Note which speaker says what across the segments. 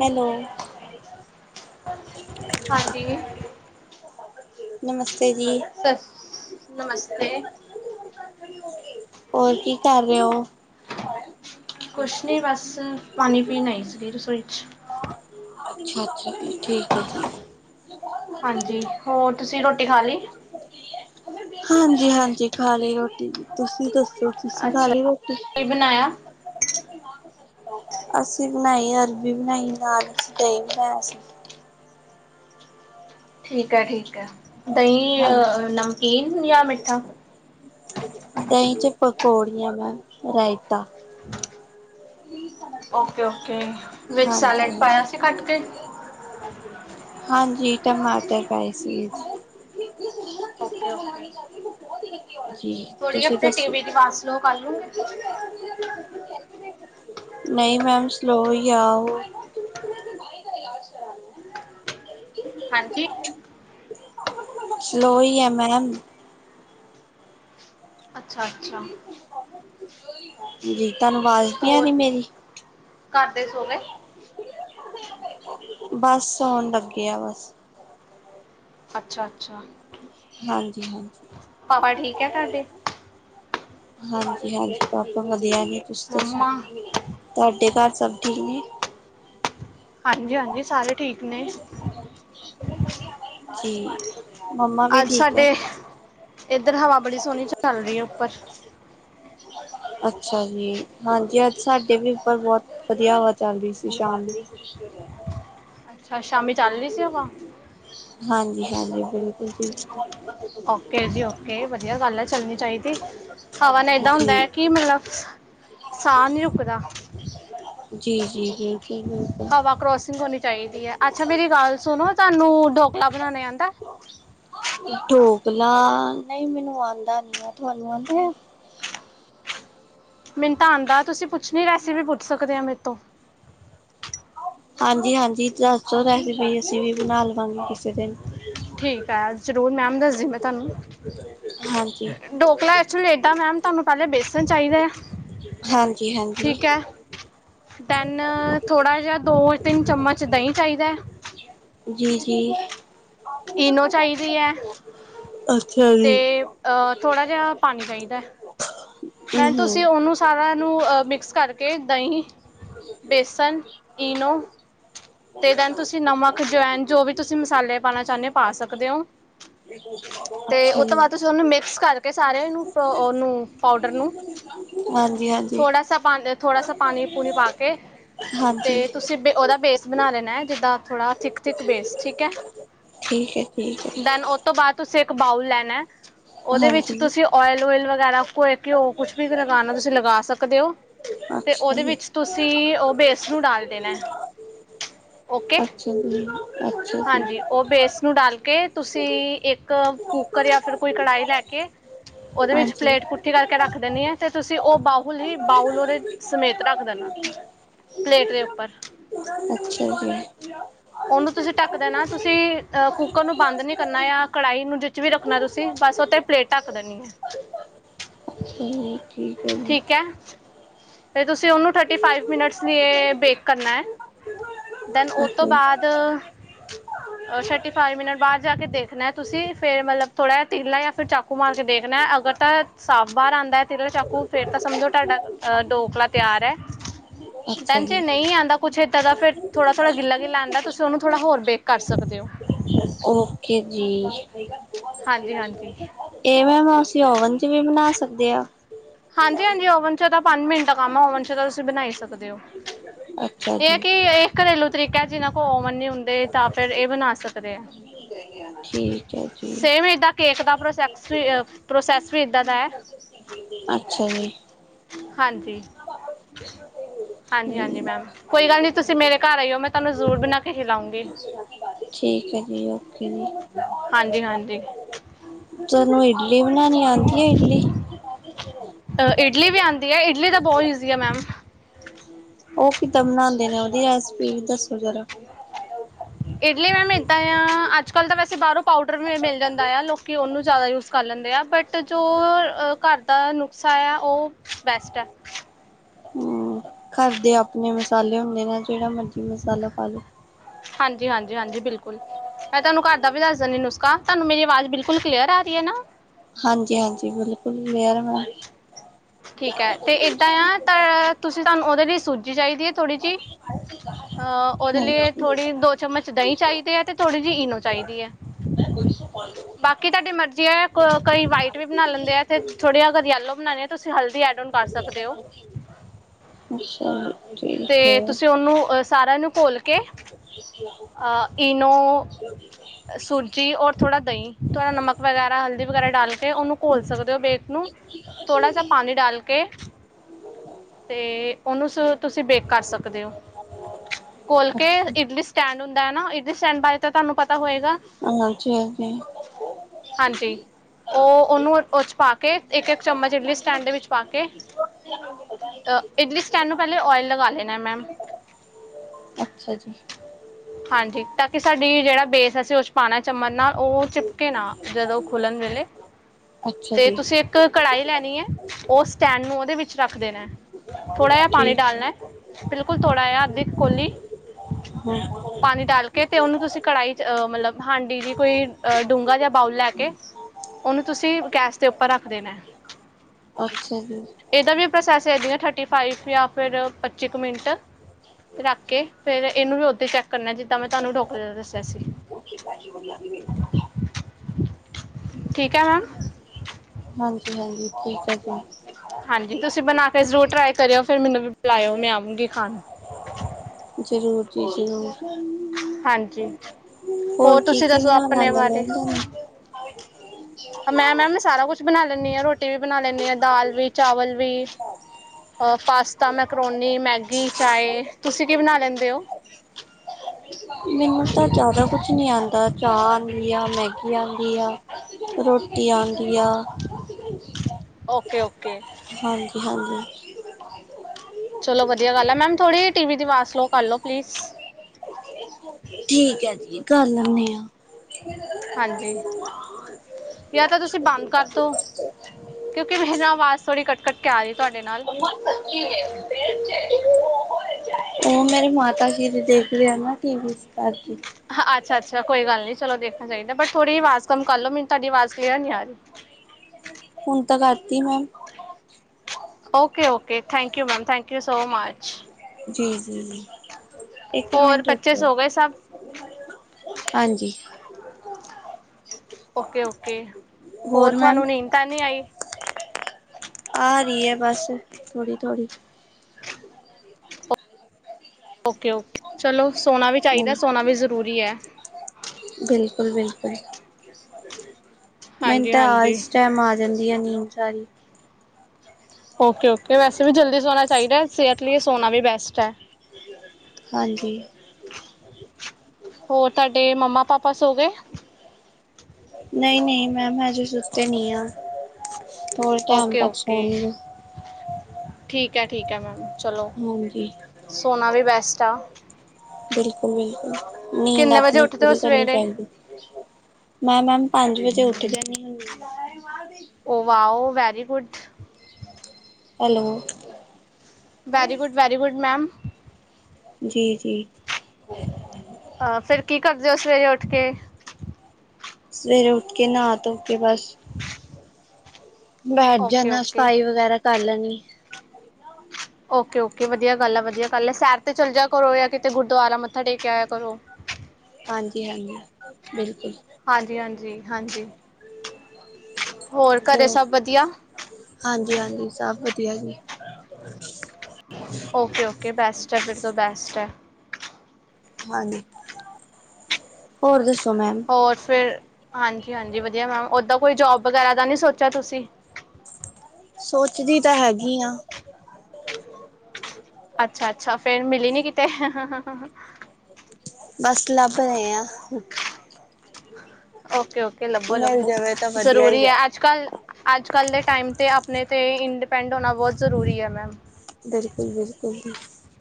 Speaker 1: Hello.
Speaker 2: ਹਾਂਜੀ
Speaker 1: ਨਮਸਤੇ ਜੀ।
Speaker 2: ਸ ਨਮਸਤੇ।
Speaker 1: ਹੋਰ ਕੀ ਕਰ ਰਹੇ ਹੋ।
Speaker 2: ਕੁਛ ਨਹੀਂ ਬਸ ਪਾਣੀ ਪੀਣ ਆਈ ਸੀਗੀ ਰਸੋਈ 'ਚ।
Speaker 1: ਅੱਛਾ, ਅੱਛਾ ਠੀਕ ਹੈ ਜੀ।
Speaker 2: ਹਾਂਜੀ। ਹੋਰ ਤੁਸੀਂ ਰੋਟੀ ਖਾ ਲਈ।
Speaker 1: ਹਾਂਜੀ, ਹਾਂਜੀ ਖਾਲੀ ਰੋਟੀ ਤੁਸੀਂ। ਦੱਸੋ ਤੁਸੀਂ
Speaker 2: ਅੱਛਾ
Speaker 1: ਖਾਲੀ ਰੋਟੀ।
Speaker 2: ਕੀ ਬਣਾਇਆ
Speaker 1: ਅੱਸੀ ਬਣਾਈ ਅਰਬੀ ਬਣਾਈ ਨਾਲ ਅਸੀ ਦਹੀਂ ਬਣਾਇਆ ਸੀ
Speaker 2: ਠੀਕ ਹੈ ਠੀਕ ਹੈ ਦਹੀਂ
Speaker 1: ਹਾਂਜੀ
Speaker 2: ਨਮਕੀਨ ਯਾ ਮਿੱਠਾ
Speaker 1: ਦਹੀਂ ਚ ਪਕੌੜੀਆਂ ਨਾਲ ਰਾਇਤਾ
Speaker 2: ਓਕੇ ਓਕੇ ਵਿੱਚ ਸੈਲਡ ਪਾਇਆ
Speaker 1: ਹਾਂਜੀ।
Speaker 2: ਸੀ ਕੱਟ ਕੇ
Speaker 1: ਹਾਂਜੀ, ਟਮਾਟਰ ਪਾਏ ਸੀ, ਵਿੱਚ।
Speaker 2: Okay- okay.
Speaker 1: [inaudible] [unintelligible]
Speaker 2: ਥੋੜੀ
Speaker 1: ਤੁਸੀਂ
Speaker 2: ਆਪਣੇ
Speaker 1: ਦੱਸੋ?
Speaker 2: ਟੀਵੀ ਦੀ ਆਵਾਜ਼ ਸਲੋ ਕਰ ਲਓਂਗੇ।
Speaker 1: ਨਹੀਂ ਮੈਮ ਸਲੋ ਹੀ ਆ, ਉਹ
Speaker 2: ਹਾਂਜੀ!
Speaker 1: ਸਲੋ ਹੀ ਆ, ਮੈਮ।
Speaker 2: ਅੱਛਾ-ਅੱਛਾ।
Speaker 1: ਜੀ ਤੁਹਾਨੂੰ, ਆਵਾਜ਼ ਨਹੀਂ ਆ ਰਹੀ
Speaker 2: ਹੋਰ
Speaker 1: ਮੇਰੀ।
Speaker 2: ਘਰ ਦੇ ਸੋ ਗਏ
Speaker 1: ਬਸ ਆਓਣ ਲੱਗੇ ਆ, ਬਸ।
Speaker 2: ਅੱਛਾ-ਅੱਛਾ।
Speaker 1: ਹਾਂਜੀ-ਹਾਂਜੀ।
Speaker 2: ਹੈ ਤੁਹਾਡੇ
Speaker 1: ਹਾਂਜੀ, ਹਾਂਜੀ ਪਾਪਾ ਵਧੀਆ ਨ, ਤੁਸੀਂ ਦੱਸੋ?
Speaker 2: ਮੰਮਾ
Speaker 1: ਤੁਹਾਡੇ ਘਰ, ਸਭ ਠੀਕ ਨੇ?
Speaker 2: ਹਾਂਜੀ-ਹਾਂਜੀ ਸਾਰੇ ਠੀਕ ਨੇ।
Speaker 1: ਜੀ। ਮੰਮਾ ਵੀ
Speaker 2: ਅੱਜ
Speaker 1: ਠੀਕ ਹੈ
Speaker 2: ਸਾਡੇ, ਇੱਧਰ ਹਵਾ ਬੜੀ ਸੋਹਣੀ ਚੱਲ ਰਹੀ ਹੈ, ਉੱਪਰ।
Speaker 1: ਅੱਛਾ ਜੀ, ਹਾਂਜੀ, ਅੱਜ ਸਾਡੇ ਵੀ ਉੱਪਰ ਬਹੁਤ ਵਧੀਆ ਹਵਾ ਚੱਲ ਰਹੀ ਸੀ, ਸ਼ਾਮ ਦੀ।
Speaker 2: ਅੱਛਾ, ਸ਼ਾਮੀ ਚੱਲ ਰਹੀ ਸੀ, ਹਵਾ?
Speaker 1: ਹਾਂਜੀ-ਹਾਂਜੀ, ਬਿਲਕੁਲ ਜੀ।
Speaker 2: ਓਕੇ ਜੀ, ਓਕੇ ਵਧੀਆ ਗੱਲ ਹੈ, ਚੱਲਣੀ ਚਾਹੀਦੀ। ਹਵਾ ਨਾਲ ਏਦਾਂ ਹੁੰਦਾ ਹੈ, ਕਿ
Speaker 1: ਜੀ
Speaker 2: ਮਤਲਬ ਸਾਹ ਨਹੀਂ ਰੁਕਦਾ।
Speaker 1: ਜੀ, ਜੀ, ਜੀ, ਬਿਲਕੁਲ।
Speaker 2: ਹਵਾ ਕਰੋਸਿੰਗ ਹੋਣੀ ਚਾਹੀਦੀ ਹੈ। ਅੱਛਾ, ਮੇਰੀ ਗੱਲ ਸੁਣੋ, ਤੁਹਾਨੂੰ ਢੋਕਲਾ ਬਣਾਣੇ ਆਂਦਾ?
Speaker 1: ਢੋਕਲਾ, ਨਹੀਂ ਮੈਨੂੰ ਆਂਦਾ ਨੀ ਆ। ਤੁਹਾਨੂੰ ਆਂਦਾ?
Speaker 2: ਮੀਨ ਤਾਂ ਆਂਦਾ, ਤੁਸੀਂ ਪੁੱਛਣੀ ਰੈਸੀਪੀ ਪੁੱਛ ਸਕਦੇ ਹਾਂ, ਮੇਰੇ ਤੋਂ।
Speaker 1: ਹਾਂਜੀ-ਹਾਂਜੀ, ਦੱਸਦੋ ਰੈਸੀਪੀ। ਅਸੀ ਵੀ ਬਣਾ ਲਵਾਂਗੇ ਕਿਸੇ ਦਿਨ।
Speaker 2: ਠੀਕ ਐ, ਜ਼ਰੂਰ ਮੈਮ ਦੱਸਦੀ ''ਮੈਂ ਤੁਹਾਨੂੰ।
Speaker 1: ਹਾਂਜੀ।
Speaker 2: ਢੋਕਲਾ ਐੱਕਚੁਲੀ ਇਹਦਾ ਮੈਮ, ਤੁਹਾਨੂੰ ਪਹਿਲੇ ਬੇਸਣ ਚਾਹੀਦੈ।
Speaker 1: ਹਾਂਜੀ ਹਾਂਜੀ
Speaker 2: ਠੀਕ ਐ। ਦੈਨ ਥੋੜਾ ਜਿਹਾ, ਦੋ-ਤਿੰਨ ਚੱਮਚ ਦਹੀਂ ਚਾਹੀਦਾ।
Speaker 1: ਜੀ ਜੀ।
Speaker 2: ਇਨੋ ਚਾਹੀਦੀ ਹੈ
Speaker 1: ਅੱਛਾ
Speaker 2: ਅਤੇ
Speaker 1: ਜੀ
Speaker 2: ਥੋੜ੍ਹਾ ਜਿਹਾ ਪਾਣੀ ਚਾਹੀਦਾ।
Speaker 1: ਹੂੰ
Speaker 2: ਮੈਮ ਤੁਸੀਂ
Speaker 1: ਹੂੰ
Speaker 2: ਉਹਨੂੰ ਸਾਰਾ ਨੂੰ ਮਿਕਸ ਕਰਕੇ ਦਹੀਂ। ਬੇਸਨ ਇਨੋ। ਅਤੇ ਦੈਨ ਤੁਸੀਂ ਨਮਕ ਜਵੈਨ ਜੋ ਵੀ ਤੁਸੀਂ ਮਸਾਲੇ ਪਾਉਣਾ ਚਾਹੁੰਦੇ ਹੋ ਪਾ ਸਕਦੇ ਹੋ। ਤੇ, ਉਹ
Speaker 1: ਅੱਛਾ
Speaker 2: ਤੋਂ ਬਾਅਦ
Speaker 1: ਜੀ
Speaker 2: ਤੁਸੀਂ ਉਹਨੂੰ ਮਿਕਸ ਕਰਕੇ, ਸਾਰੇਨੂੰ, ਉਹਨੂੰ ਪਾਊਡਰ ਨੂੰ,
Speaker 1: ਹਾਂਜੀ ਹਾਂਜੀ
Speaker 2: ਥੋੜਾ ਸਾ ਪਾਨ, ਥੋੜਾ ਸਾ ਪਾਨੀ ਪੂਣੀ ਪਾਕੇ, ਤੇ
Speaker 1: ਹਾਂਜੀ
Speaker 2: ਤੁਸੀ ਬੇ ਉਹਦਾ ਬੇਸ ਬਣਾ ਲੈਣਾ ਐ, ਜਿੱਦਾ ਥੋੜਾ ਥਿੱਕ-ਥਿੱਕ ਬੇਸ ਠੀਕ ਹੈ,
Speaker 1: ਠੀਕ ਹੈ ਠੀਕ ਹੈ
Speaker 2: ਡਨ ਤੋਂ ਬਾਅਦ ਤੁਸੀਂ ਇੱਕ ਬਾਊਲ ਲੈਣਾ, ਉਹਦੇ ਵਿੱਚ
Speaker 1: ਹਾਂਜੀ
Speaker 2: ਤੁਸੀ ਓਇਲ, ਊਇਲ ਵਗੈਰਾ ਕੋਈ ਘਿਓ ਕੁਛ ਵੀ ਲਗਾਣਾ ਤੁਸੀਂ ਲਗਾ ਸਕਦੇ ਹੋ। ਤੇ
Speaker 1: ਅੱਛਾ
Speaker 2: ਉਹਦੇ
Speaker 1: ਜੀ
Speaker 2: ਵਿੱਚ ਤੁਸੀ ਉਹ ਬੇਸ ਨੂੰ ਡਾਲ ਦੇਣਾ। ਓਕੇ
Speaker 1: ਅੱਛਾ-ਜੀ, ਅੱਛਾ-ਜੀ।
Speaker 2: ਹਾਂਜੀ ਉਹ ਬੇਸ ਨੂੰ ਡਾਲ ਕੇ, ਤੁਸੀਂ ਇੱਕ ਕੁੂੱਕਰ ਯਾ ਫਿਰ ਕੋਈ ਕੜਾਹੀ ਲੈਕੇ ਉਹਦੇ ਵਿੱਚ
Speaker 1: ਹਾਂਜੀ
Speaker 2: ਪਲੇਟ ਕਰਕੇ ਰੱਖ ਦੇਣੀ
Speaker 1: ਅੱਛਾ
Speaker 2: ਹੈ, ਤੇ ਤੁਸੀਂ ਉਹ ਬਾਹੁਲ ਹੀ, ਬਾਉਲ ਉਹਦੇ ਸਮੇਤ ਰੱਖ ਦੇਣਾ। ਪਲੇਟ ਦੇ ਉੱਪਰ
Speaker 1: ਅੱਛਾ ਜੀ
Speaker 2: ਉਹਨੂੰ ਤੁਸੀਂ ਢੱਕ ਦੇਣਾ ਤੁਸੀਂ ਅਹ ਕੁੱਕਰ ਨੂੰ ਬੰਦ ਨਹੀਂ ਕਰਨਾ ਜਾਂ
Speaker 1: ਜੀ
Speaker 2: ਕੜਾਹੀ ਨੂੰ ਵਿੱਚ ਵੀ ਰੱਖਣਾ ਤੁਸੀਂ ਬਸ ਉਹ ਤੇ ਪਲੇਟ ਢੱਕ ਦੇਣੀ ਹੈ
Speaker 1: ਚ ਠੀਕ ਹੈ ਜੀ
Speaker 2: ਤੇ ਤੁਸੀਂ ਉਹਨੂੰ ਥਰਟੀ ਫਾਈਵ ਮਿਨਟਸ ਲਈ ਬੇਕ ਕਰਨਾ ਹੈ ਦੈਨ ਤੋਂ
Speaker 1: ਅੱਛਾ
Speaker 2: ਬਾਅਦ ਥਰਟੀ ਫਾਈਵ ਮਿੰਟ ਬਾਅਦ ਜਾ ਕੇ ਦੇਖਣਾ ਤੁਸੀਂ ਫਿਰ ਮਤਲਬ ਥੋੜ੍ਹਾ ਜਿਹਾ ਤੀਲਾ ਜਾਂ ਫਿਰ ਚਾਕੂ ਮਾਰ ਕੇ ਦੇਖਣਾ ਅਗਰ ਤਾਂ ਸਾਫ਼ ਬਾਹਰ ਆਉਂਦਾ ਹੈ ਤਿਲਲਾ ਚਾਕੂ ਫੇਰ ਤਾਂ ਸਮਝੋ ਤੁਹਾਡਾ ਅਹ ਡੋਕਲਾ ਤਿਆਰ ਹੈ
Speaker 1: ਅੱਛਾ ਜੀ
Speaker 2: ਟੈਂਨਸ਼ਨ ਨਹੀਂ ਆਂਦਾ ਕੁਛ ਏਦਾਂ ਦਾ ਫੇਰ ਥੋੜਾ- ਥੋੜ੍ਹਾ ਗਿੱਲਾ ਪਤਾ ਤੁਸੀਂ ਉਹਨੂੰ ਥੋੜ੍ਹਾ ਹੋਰ ਬੇਕ ਕਰ ਸਕਦੇ ਹੋ।
Speaker 1: ਓਕੇ ਜੀ।
Speaker 2: ਹਾਂਜੀ ਹਾਂਜੀ
Speaker 1: ਇਹ ਮੈਮ ਅਸੀਂ ਓਵਨ ਚ ਵੀ ਬਣਾ ਸਕਦੇ ਹਾਂ।
Speaker 2: ਹਾਂਜੀ ਹਾਂਜੀ ਓਵਨ ਚ ਤਾਂ ਪੰਜ ਮਿੰਟ ਦਾ ਕੰਮ ਆ ਓਵਨ ਚ ਤਾਂ ਤੁਸੀਂ ਬਣਾਈ ਸਕਦੇ ਹੋ।
Speaker 1: ਅੱਛਾ
Speaker 2: ਇਹ
Speaker 1: ਜੀ
Speaker 2: ਕਿ ਇਹ ਘਰੇਲੂ ਤਰੀਕਾ ਹੈ ਜਿਹਨਾ ਕੋਲ ਆਵਨ ਨਹੀਂ ਹੁੰਦੇ ਤਾਂ ਫੇਰ ਇਹ ਬਣਾ ਸਕਦੇ।
Speaker 1: ਠੀਕ ਹੈ ਜੀ
Speaker 2: ਸਮੇਂ ਏਦਾਂ ਕੇਕ ਦਾ ਪ੍ਰੋਸੈਸ ਵੀ ਪ੍ਰੋਸੈਸ ਵੀ ਇੱਦਾਂ ਦਾ ਹੈ
Speaker 1: ਅੱਛਾ ਜੀ
Speaker 2: ਹਾਂਜੀ ਹਾਂਜੀ ਹਾਂਜੀ ਮੈਮ ਕੋਈ ਗੱਲ ਨਹੀਂ ਤੁਸੀਂ ਮੇਰੇ ਘਰ ਆਈਓ ਮੈਂ ਤੁਹਾਨੂੰ ਜ਼ਰੂਰ ਬਣਾ ਕੇ ਖਿਲਾਉਂਗੀ
Speaker 1: ਠੀਕ ਹੈ ਜੀ ਓਕੇ ਜੀ
Speaker 2: ਹਾਂਜੀ ਹਾਂਜੀ
Speaker 1: ਤਾਨੂੰ ਇਡਲੀ ਬਣਾਉਣੀ ਆਉਂਦੀ ਹੈ ਇਡਲੀ
Speaker 2: ਅ ਇਡਲੀ ਵੀ ਆਉਂਦੀ ਹੈ ਇਡਲੀ ਦਾ ਬਹੁਤ ਇਜ਼ੀ ਆ ਮੈਮ
Speaker 1: ਉਹ ਕਿੱਦਾਂ ਬਣਾਉਂਦੇ ਨੇ ਉਹਦੀ ਰੈਸਪੀ ਦੱਸੋ ਜ਼ਰਾ
Speaker 2: ਇਡਲੀ ਮੈਮ ਇੱਦਾਂ ਆ ਅੱਜ ਕੱਲ੍ਹ ਤਾਂ ਵੈਸੇ ਬਾਹਰੋਂ ਪਾਊਡਰ ਵੀ ਮਿਲ ਜਾਂਦਾ ਆ ਲੋਕੀ ਉਹਨੂੰ ਜ਼ਿਆਦਾ ਯੂਜ਼ ਕਰ ਲੈਂਦੇ ਆ ਬਟ ਅਤੇ ਜੋ ਘਰ ਦਾ ਨੁਕਸਾਂ ਉਹ ਬੈਸਟ ਹੈ
Speaker 1: ਹਮ ਘਰ ਦੇ ਆਪਣੇ ਮਸਾਲੇ ਹੁੰਦੇ ਨੇ ਜਿਹੜਾ ਮਰਜੀੀ ਮਸਾਲਾ ਪਾ ਲੋ
Speaker 2: ਹਾਂਜੀ ਹਾਂਜੀ ਹਾਂਜੀ ਬਿਲਕੁਲ ਮੈਂ ਤੁਹਾਨੂੰ ਘਰ ਦਾ ਵੀ ਦਸ ਦੇਣੀ ਨੁਸਖਾ ਤੁਾਨ ਮੇਰੀ ਆਵਾਜ਼ ਬਿਲਕੁਲ ਕਲੀਅਰ ਆ ਰਹੀ ਹੈ ਨਾ
Speaker 1: ਹਾਂਜੀ -ਹਾਂਜੀ ਬਿਲਕੁਲ ਲਰ
Speaker 2: ਠੀਕ ਹੈ ਤੇ ਏਦਾਂ ਆ ਤਾਂ ਤੁਸੀਂ ਤੁਹਾਨੂੰ ਉਹਦੇ ਲਈ ਸੂਜੀ ਚਾਹੀਦੀ ਹੈ
Speaker 1: ਅੱਛਾ ਜੀ ਠੀਕ
Speaker 2: ਥੋੜ੍ਹੀ ਜਿਹੀ ਅਹ ਉਹਦੇ ਲਈ ਥੋੜੀ ਦੋ ਚਮਚ ਦਹੀਂ ਚਾਹੀਦੇ ਆ ਤੇ ਥੋੜ੍ਹੀ ਜਿਹੀ ਇਨੂੰ ਚਾਹੀਦੀ ਹੈ ਬਾਕੀ ਤੁਹਾਡੀ ਮਰਜ਼ੀ ਹੈ ਕਈ ਵਾਈਟ ਵੀ ਬਣਾ ਲੈਂਦੇ ਤੇ ਥੋੜ੍ਹੇ ਜ ਯਲੋ ਬਣਾਉਣੇ
Speaker 1: ਅੱਛਾ ਜੀ।
Speaker 2: ਤੇ, ਤੁਸੀਂ ਉਹਨੂੰ ਅਹ ਸਾਰਿਆਂ ਨੂੰ ਘੋਲ ਓਕੇ, ਇਨੋ, ਸੂਜੀ ਔਰ ਥੋੜ੍ਹਾ ਦਹੀਂ। ਥੋੜਾ ਨਮਕ ਵਗੈਰਾ ਹਲਦੀ ਵਗੈਰਾ ਡਾਲ ਕੇ ਉਹਨੂੰ ਘੋਲ ਸਕਦੇ ਹੋ ਬੇਕ ਨੂੰ ਥੋੜ੍ਹਾ ਜਿ ਪਾਣੀ ਡਾਲ ਕੇ ਤੇ ਉਹਨੂੰ ਸ ਤੁਸੀਂ ਬੇਕ ਕਰ ਸਕਦੇ ਹੋ ਖੋਲ ਕੇ ਇਡਲੀ ਸਟੈਂਡ ਹੁੰਦਾ ਹੈ ਨਾ ਸਟੈਂਡ ਬਾਰੇ ਤਾਂ ਤੁਹਾਨੂੰ ਪਤਾ ਹੋਏਗਾ
Speaker 1: ਹਾਂਜੀ ਜੀ
Speaker 2: ਹਾਂਜੀ ਉਹ ਉਹਨੂੰ ਉਹ ਚ ਪਾ ਕੇ ਇੱਕ ਇੱਕ ਚਮਚ ਇਡਲੀ ਸਟੈਂਡ ਦੇ ਵਿੱਚ ਪਾ ਕੇ ਅ ਇਡਲੀ ਸ ਕਹਿਣ ਨੂੰ ਪਹਿ ਓਇਲ ਲਗਾ ਲੈਣਾ ਮੈਮ
Speaker 1: ਅੱਛਾ ਜੀ
Speaker 2: ਹਾਂਜੀ, ਤਾਂ ਕਿ ਸਾਡੀ ਜਿਹੜਾ ਬੇਸ ਹੈ ਸੀ ਉਸ ਪਾਉਣਾ ਚਮਣ ਨਾਲ ਉਹ ਚਿਪਕੇ ਨਾ, ਜਦੋਂ ਖੁੱਲਣ ਵੇਲੇ
Speaker 1: ਅੱਛਾ
Speaker 2: ਤੇ
Speaker 1: ਜੀ
Speaker 2: ਤੁਸੀਂ ਕੜਾਹੀ ਲੈਣੀ ਹੈ। ਉਹ ਸਟੈਂਡ ਨੂੰ ਉਹਦੇ ਵਿੱਚ ਰੱਖ ਦੇਣਾ। ਥੋੜਾ ਜਿਹਾ ਪਾਣੀ ਡਾਲਣਾ ਹੈ। ਬਿਲਕੁਲ ਥੋੜਾ ਜਹਾ, ਅੱਧੀ ਕੋਲੀ।
Speaker 1: ਹਾਂ
Speaker 2: ਪਾਣੀ ਡਾਲ ਕੇ ਤੇ, ਉਹਨੂੰ ਤੁਸੀਂ ਕੜਾਹੀ ਚਹ ਮਤਲਬ ਹਾਂਡੀ ਦੀ ਕੋਈ ਅਹ ਡੂੰਘਾ ਜਾਂ ਬਾਊਲ ਲੈ ਕੇ ਉਹਨੂੰ ਤੁਸੀਂ ਗੈਸ ਦੇ ਉੱਪਰ ਰੱਖ ਦੇਣਾ।
Speaker 1: ਅੱਛਾ ਜੀ।
Speaker 2: ਇਹਦਾ ਵੀ ਪ੍ਰੋਸੈਸ ਹੈ ਥਰਟੀ ਫਾਈਵ ਜਾਂ ਫਿਰ ਪੱਚੀ ਕੁ ਮਿੰਟ। ਰੱਖ ਕੇ, ਫੇਰ ਇਹਨੂੰ ਵੀ ਉਓਦਦੇ ਚੈੱਕ ਕੰਨਾ ਜਿੱਦਾਂ ਮੈਂ ਤੁਹਾਨੂੰ ਡੋਕਲੇ ਦਾ ਦੱਸਿਆ ਸੀ। ਠੀਕ ਹੈ ਮੈਮ।
Speaker 1: ਹਾਂਜੀ -ਹਾਂਜੀ ਠੀਕ ਹੈ ਜੀ।
Speaker 2: ਹਾਂਜੀ, ਤੁਸੀਂ ਬਣਾ ਕੇ ਜ਼ਰੂਰ ਟਰਾਈ ਕਰਿਓ। ਫਿਰ ਮੈਨੂੰ ਵੀ ਬੁਲਾਇਓ, ਮੈਂ ਆਵਂਗੀ ਖਾਣ ਨੂੰ।
Speaker 1: ਜ਼ਰੂਰ ਜੀ
Speaker 2: ਹਾਂਜੀ
Speaker 1: ਜ਼ਰੂਰ। ਹੋਰ ਕੀ
Speaker 2: ਤੁਸੀਂ
Speaker 1: -ਕੀ
Speaker 2: ਦੱਸੋ
Speaker 1: ਬਣਾਉਣ
Speaker 2: ਆਪਣੇ
Speaker 1: ਆਉੰਦਾ ਲੋ
Speaker 2: ਬਾਰੇ
Speaker 1: ਤੁਹਾਨੂੰ?
Speaker 2: ਮੈਂ ਮੈਮ ਸਾਰਾ ਕੁਛ ਬਣਾ ਲੈਂਦੀ ਹਾਂ। ਰੋਟੀ ਵੀ ਬਣਾ ਲੈਂਦੀ ਹਾਂ, ਦਾਲ ਵੀ, ਚਾਵਲ ਵੀ। ਪਾਸਤਾ, ਮੈਕਰੋਨੀ, ਮੈਗੀ, ਚਾਯ ਤੁਸੀਂ ਕੀ ਬਣਾ ਲੈਂਦੇ ਹੋ?
Speaker 1: ਮੈਨੂੰ ਤਾਂ ਜ਼ਿਆਦਾ ਕੁਛ ਨੀ ਆਉਂਦਾ। ਚਾਹ ਆਉਂਦੀ ਆ, ਮੈਗੀ ਆਉਂਦੀ ਆ। ਰੋਟੀ ਆਉਂਦੀ ਆ।
Speaker 2: Okay, okay.
Speaker 1: ਹਾਂਜੀ -ਹਾਂਜੀ।
Speaker 2: ਚਲੋ ਵਧੀਆ ਗੱਲ ਹੈ, ਮੈਮ ਥੋੜ੍ਹੀ ਟੀ ਵੀ ਦੀ ਆਵਾਜ ਲਓ ਕਰ ਲਓ ਪਲੀਜ਼।
Speaker 1: ਠੀਕ ਹੈ ਜੀ, ਕਰ ਲੈਂਣੀਆ।
Speaker 2: ਹਾਂਜੀ। ਜਾਂ ਤਾਂ ਤੁਸੀਂ ਬੰਦ ਕਰ ਦੋ। ਕਿਉਂਕਿ ਮੇਰੇ ਨਾਲ ਆਵਾਜ਼ ਥੋੜ੍ਹੀ ਕੱਟ ਕਟ ਕੇਿਆ ਜ ਤੁਹਾਡੇ ਨਾਲ।
Speaker 1: ਉਹ ਮੇਰੀ ਮਾਤਾ ਜੀ ਦੀ ਦੇਖਦੇ ਆ ਨਾ। [inaudible]
Speaker 2: ਅੱਛਾ- ਅੱਛਾ ਕੋਈ ਗੱਲ ਨਹੀਂ ਚਲ ਦੇਖਣਾ ਚਹੀਦਾ ਬ ਥੋੜੀ ਆਵਾਜ਼ ਕੰਮ ਕਰ ਲ ਲੋ। ਮੈਨੂੰ ਤੁਹਾਡੀ ਆਵਾਜ਼ ਕਲੀਅਰੀ ਆ ਰਹੀ।
Speaker 1: ਹੁਣ ਤ ਕਰਤੀ ਮੈਂ।
Speaker 2: Okay, okay thank you ma'am, thank you so much.
Speaker 1: ਜੀ -ਜੀ -ਜੀ ਇੱਕ
Speaker 2: ਹੋਰ
Speaker 1: ਮਿੰਟ
Speaker 2: ਬੱਚੇ
Speaker 1: ਰੁਕਓ।
Speaker 2: ਸੋ ਗਏ ਸਭ
Speaker 1: ਹਾਂਜੀ।
Speaker 2: ਓਕੇ- ਓਕੇ ਹੋਰ ਤੁਹਾਨੂੰ ਨੀਂਦ ਤਾਂ ਨਹੀਂ ਆਈ।
Speaker 1: ਆ ਰਹੀ ਹੈ ਬਸ, ਥੋੜੀ -ਥੋੜੀ।
Speaker 2: ਓਕੇ -ਓਕੇ ਚਲੋ, ਸੋਨਾ ਵੀ ਚਾਹੀਦਾ
Speaker 1: ਹਮ
Speaker 2: ਸੋਨਾ ਵੀ ਜ਼ਰੂਰੀ ਹੈ।
Speaker 1: ਬਿਲਕੁਲ -ਬਿਲਕੁਲ ਮੈਨੂੰ ਤਾਂ
Speaker 2: ਹਾਂਜੀ-ਹਾਂਜੀ।
Speaker 1: ਅੱਜ ਟਾਈਮ ਆ। ਜਾਂਦੀਆਂ ਨੀ ਸਾਰੀ।
Speaker 2: ਓਕੇ ਓਕੇ ਵੈਸੇ ਵੀ ਜਲਦੀ ਸੋਣਾ ਚਾਹੀਦਾ ਸਿਹਤ ਲਈ ਸੋਣਾ ਵੀ ਬੈਸਟ ਹੈ
Speaker 1: ਹਾਂਜੀ
Speaker 2: ਹੋਰ ਤੁਹਾਡੇ ਮੰਮਾ ਪਾਪਾ ਸੋ ਗਏ
Speaker 1: ਨਹੀਂ ਨਹੀਂ ਮੈਮ ਹਜੇ ਸੁੱਤੇ ਨ ਆ ਹੋਰ ਟਾਈਮ ਤੱਕ
Speaker 2: ਓਕੇ-ਓਕੇ
Speaker 1: ਸੋਣਗੇ
Speaker 2: ਠੀਕ ਹੈ, ਠੀਕ ਹੈ ਮੈਮ ਚਲੋ,
Speaker 1: ਹਾਂਜੀ
Speaker 2: ਸੋਨਾ ਵੀ ਬੈਸਟ ਆ।
Speaker 1: ਬਿਲਕੁਲ- ਬਿਲਕੁਲ ਨੀਂਦ
Speaker 2: ਕਿੰਨੇ ਵਜੇ
Speaker 1: ਆਪਣੀ
Speaker 2: ਉੱਠਦੇ ਹੋ
Speaker 1: ਪੂਰੀ ਕਰਨੀ
Speaker 2: ਸਵੇਰੇ
Speaker 1: ਚਾਹੀਦੀ। ਮੈਂ ਮੈਮ ਪੰਜ ਵਜੇ ਉੱਠ ਜਾਣੀ।
Speaker 2: ਉਹਓ ਵ ਉਹ very good.
Speaker 1: Hello,
Speaker 2: very good, very good ma'am.
Speaker 1: ਜੀ- ਜੀ।
Speaker 2: ਆਹ ਫੇਰ ਕੀ ਕਰਦੇ ਹੋ ਸਵੇਰੇ ਉੱਠ ਕੇ?
Speaker 1: ਸਵੇਰੇ ਉੱਠ ਕੇ ਨਹਾ- ਧੋ ਕੇ ਬਸ। ਬੈਠ
Speaker 2: ਓਕੇ
Speaker 1: ਜਾਣਾ,
Speaker 2: ਓਕੇ
Speaker 1: ਸਫਾਈ ਵਗੈਰਾ ਕਰ ਲੈਣੀ।
Speaker 2: ਓਕੇ ਓਕੇ ਵਧੀਆ ਗੱਲ ਹੈ। ਵਧੀਆ ਗੱਲ ਸੈਰ ਤੇ ਚੱਲ ਜਿਆ ਕਰੋ ਜਾਂ ਕਿਤੇ ਗੁਰਦੁਆਰਾ ਮੱਥਾ ਟੇਕ ਕੇ ਆਇਆ ਕਰੋ।
Speaker 1: ਹਾਂਜੀ ਹਾਂਜੀ ਬਿਲਕੁਲ।
Speaker 2: ਹਾਂਜੀ ਹਾਂਜੀ ਹਾਂਜੀ। ਹੋਰ ਘਰੇ
Speaker 1: ਹੂੰ
Speaker 2: ਸਭ ਵਧੀਆ
Speaker 1: ਹਾਂਜੀ ਹਾਂਜੀ ਸਭ ਵਧੀਆ ਜੀ।
Speaker 2: ਓਕੇ ਓਕੇ ਬੈਸਟ ਹੈ। ਫਿਰ ਤੋਂ ਬੈਸਟ ਹੈ।
Speaker 1: ਹਾਂਜੀ ਹੋਰ ਦੱਸੋ ਮੈਮ।
Speaker 2: ਹੋਰ ਫਿਰ ਹਾਂਜੀ ਹਾਂਜੀ ਵਧੀਆ ਮੈਮ ਓਦਾਂ ਕੋਈ ਜੋਬ ਵਗੈਰਾ ਦਾ ਨਹੀਂ ਸੋਚਿਆ ਤੁਸੀਂ।
Speaker 1: ਸੋਚਦੀ ਤਾਂ ਹੈਗੀ ਆ।
Speaker 2: ਅੱਛਾ ਅੱਛਾ ਫੇਰ ਮਿਲੀ ਨੀ ਕਿਤੇ।
Speaker 1: ਬਸ ਲੱਭ ਰਹੇ ਆ।
Speaker 2: ਓਕੇ ਓਕੇ ਲੱਭੋ
Speaker 1: ਮਿਲ
Speaker 2: ਲੱਭੋ
Speaker 1: ਜਾਵੇ ਤਾਂ ਵਧੀਆ
Speaker 2: ਜ਼ਰੂਰੀ
Speaker 1: ਹੀ
Speaker 2: ਹੈ
Speaker 1: ਆ
Speaker 2: ਅੱ ਅੱਜ ਕੱਲ੍ਹ ਅੱਜ ਕੱਲ੍ਹ ਦੇ ਟਾਈਮ 'ਤੇ ਆਪਣੇ 'ਤੇ ਇੰਡੀਪੈਂਡ ਹੋਣਾ ਬਹੁਤ ਜ਼ਰੂਰੀ ਹੈ ਮੈਮ
Speaker 1: [inaudible]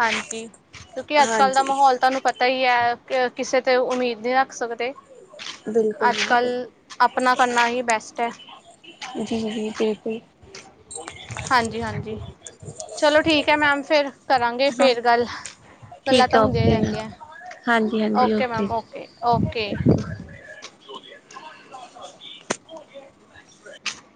Speaker 2: ਹਾਂਜੀ ਕਿਉਂਕਿ ਅੱਜ ਕੱਲ੍ਹ ਦਾ
Speaker 1: ਹਾਂਜੀ
Speaker 2: ਮਾਹੌਲ ਤੁਹਾਨੂੰ ਪਤਾ ਤਾਂ ਹੀ ਹੈ ਕਿਸੇ ਤੇ ਉਮੀਦ ਨਹੀਂ ਰੱਖ ਸਕਦੇ
Speaker 1: ਬਿਲਕੁਲ
Speaker 2: ਅੱਜ
Speaker 1: ਬਿਲਕੁਲ
Speaker 2: ਕੱਲ੍ਹ ਆਪਣਾ ਕਰਨਾ ਹੀ ਬੈਸਟ ਹੈ।
Speaker 1: ਜੀ ਜੀ ਬਿਲਕੁਲ।
Speaker 2: ਹਾਂਜੀ ਹਾਂਜੀ ਚਲੋ ਠੀਕ ਹੈ ਮੈਮ ਫੇਰ ਕਰਾਂਗੇ
Speaker 1: ਹਾਂ
Speaker 2: ਫੇਰ ਗੱਲ। ਗੱਲਾਂ
Speaker 1: ਠੀਕ
Speaker 2: ਤਾਂ
Speaker 1: ਆ
Speaker 2: ਹੁੰਦੀਆਂ ਹੀ
Speaker 1: ਓਕੇ ਮੈਮ
Speaker 2: ਰਹਿੰਦੀਆਂ
Speaker 1: ਹਾਂਜੀ ਹਾਂਜੀ
Speaker 2: ਓਕੇ ਮੈਮ
Speaker 1: ਜੀ
Speaker 2: ਓਕੇ ਓਕੇ।
Speaker 1: ਇੱਕ